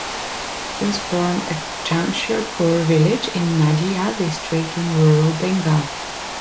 He was born at Jamsherpur village, in Nadia district in rural Bengal.